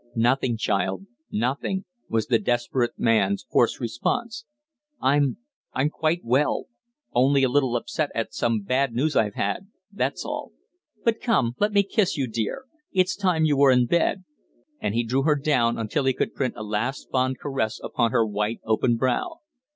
"Nothing, child, nothing," was the desperate man's hoarse response. "I'm I'm quite well only a little upset at some bad news I've had, that's all. But come. Let me kiss you, dear. It's time you were in bed." And he drew her down until he could print a last fond caress upon her white open brow.